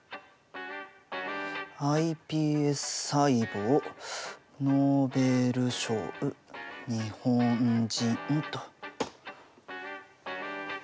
「ｉＰＳ細胞ノーベル賞日本人」と。